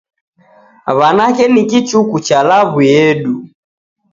W'anake ni kichuku cha law'u yedu.